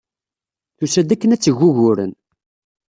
Tusa-d akken ad d-teg uguren.